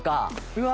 うわ！